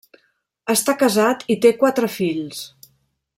Està casat i té quatre fills.